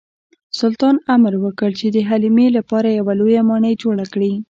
سلطان امر وکړ چې د حلیمې لپاره یوه لویه ماڼۍ جوړه کړي.